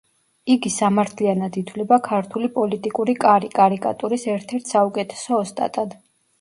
იგი სამართლიანად ითვლება ქართული პოლიტიკური კარი კარიკატურის ერთ-ერთ საუკეთესო ოსტატად.